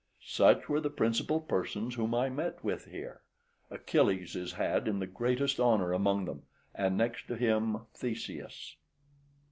Such were the principal persons whom I met with here. Achilles is had in the greatest honour among them, and next to him Theseus.